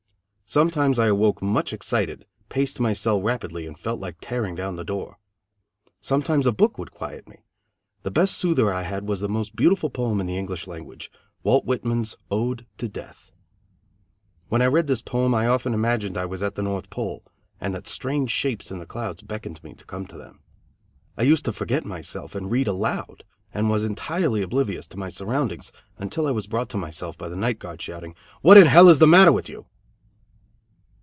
Sometimes I awoke much excited, paced my cell rapidly and felt like tearing down the door. Sometimes a book would quiet me. The best soother I had was the most beautiful poem in the English language Walt Whitman's Ode To Death. When I read this poem, I often imagined I was at the North Pole, and that strange shapes in the clouds beckoned me to come to them. I used to forget myself, and read aloud and was entirely oblivious to my surroundings, until I was brought to myself by the night guard shouting, "What in is the matter with you?"